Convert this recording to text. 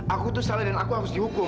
aku tuh salah dan aku harus dihukum